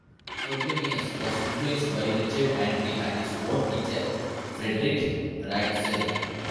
Frobenius was influenced by Richard Andree, and his own teacher Friedrich Ratzel.